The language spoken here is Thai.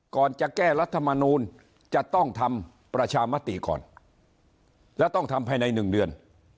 ก่อนจะแก้รัฐมนูลจะต้องทำประชามติก่อนและต้องทำภายใน๑เดือน